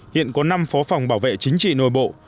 hiện có năm phó phòng bảo vệ chính trị nội bộ